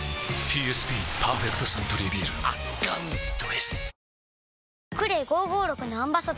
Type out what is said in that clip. ＰＳＢ「パーフェクトサントリービール」圧巻どぇす！